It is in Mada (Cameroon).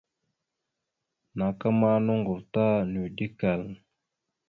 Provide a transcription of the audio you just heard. Naaka ma nòŋgov ta nʉʉde kal.